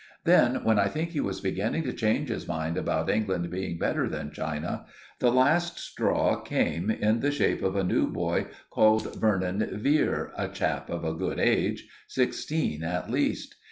Then, when I think he was beginning to change his mind about England being better than China, the last straw came in the shape of a new boy called Vernon Vere—a chap of a good age—sixteen at least.